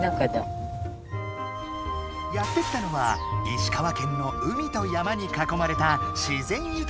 やって来たのは石川県の海と山にかこまれた自然ゆたかな場所。